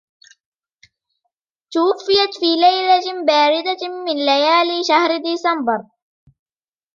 توفيت في ليلة باردة من ليالي شهر ديسمبر.